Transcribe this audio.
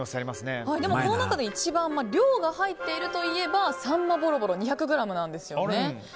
この中で一番量が入っているといえばさんまぼろぼろ２００ｇなんですよね。